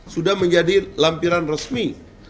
sudah menjadi lampiran resmi